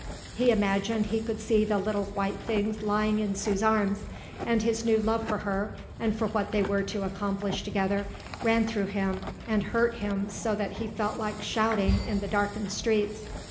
He imagined he could see the little white things lying in Sue's arms, and his new love for her and for what they were to accomplish together ran through him and hurt him so that he felt like shouting in the darkened streets.